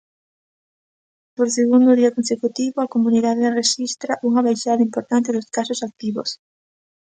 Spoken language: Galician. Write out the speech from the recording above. Por segundo día consecutivo a comunidade rexistra unha baixada importante dos casos activos.